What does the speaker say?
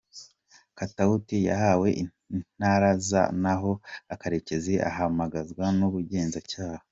Katawuti yahawe intaraza naho Karekezi ahamagazwa n’ubugenzacyaha.